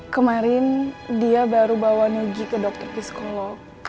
kemarin dia baru bawa niji ke dokter psikolog